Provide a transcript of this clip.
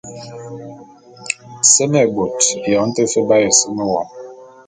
Seme bot, eyong te fe b’aye wo seme.